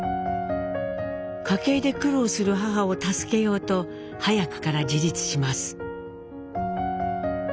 家計で苦労する母を助けようと早くから自立します。